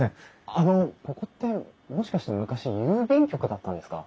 あのここってもしかして昔郵便局だったんですか？